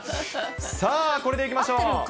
さあ、これでいきましょう。